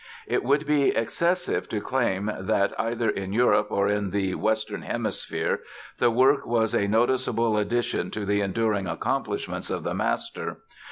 It would be excessive to claim that, either in Europe or in the western hemisphere, the work was a noticeable addition to the enduring accomplishments of the master.